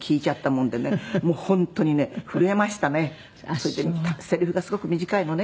それでセリフがすごく短いのね。